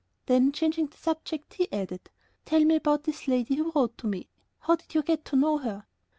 Then, changing the subject, he added: "Tell me about this lady who wrote to me; how did you get to know her?"